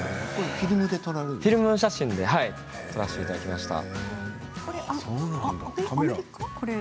フィルムで撮らせていただきました。